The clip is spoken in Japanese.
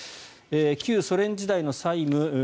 旧ソ連時代の債務